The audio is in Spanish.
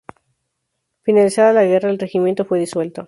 Finalizada la guerra, el regimiento fue disuelto.